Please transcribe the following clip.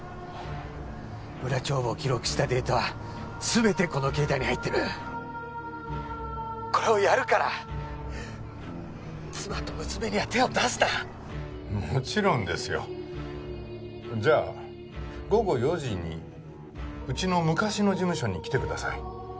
裏帳簿を記録したデータは全てこの携帯に入ってる☎これをやるから妻と娘には手を出すなもちろんですよじゃあ午後４時にうちの昔の事務所に来てください